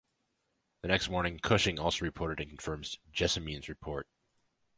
The next morning, "Cushing" also reported and confirmed "Jessamine"s report.